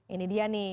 ini dia nih